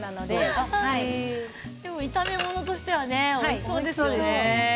炒め物としてもおいしそうですよね。